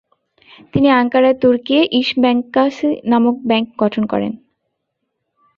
তিনি আঙ্কারায় Turkiye Is Bankasi নামক ব্যাংক গঠন করেন।